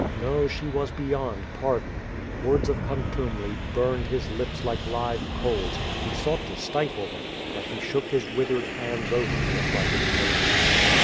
No, she was beyond pardon. Words of contumely burned his lips like live coals, he sought to stifle them, but he shook his with ered hands over the affrighted maiden.